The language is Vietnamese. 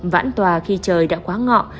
vãn tòa khi trời đã quá ngọ